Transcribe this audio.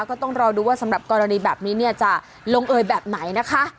ก็ต้องรอดูว่าสำหรับกรณีแบบนี้เนี่ยจะลงเอยแบบไหนนะคะ